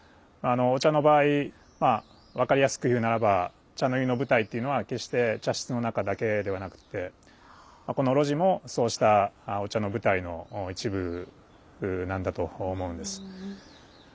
お茶の場合まあ分かりやすく言うならば茶の湯の舞台っていうのは決して茶室の中だけではなくてこの露地もそうしたお茶の舞台の一部なんだと思うんです。